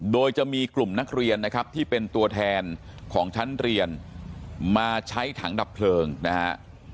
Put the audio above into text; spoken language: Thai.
โดยจะมีกลุ่มนักเรียนนะครับที่เป็นตัวแทนของชั้นเรียนมาใช้ถังดับเพลิงนะฮะ